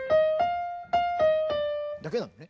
だけなのね。